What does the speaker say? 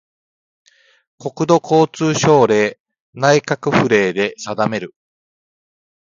国土交通省令・内閣府令で定める